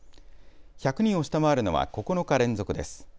１００人を下回るのは９日連続です。